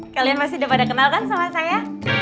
kalian masih udah pada kenal kan sama saya